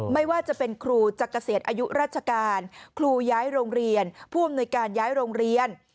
ไม่ว่าจะเป็นครูจากเกษียณอายุราชการครูย้ายโรงเรียนผู้อำนวยการย้ายโรงเรียน